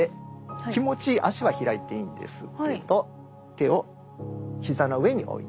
気持ち足は開いていいんですけど手をひざの上に置いて。